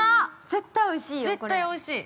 ◆絶対おいしい。